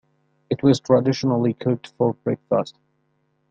It was traditionally cooked for breakfast.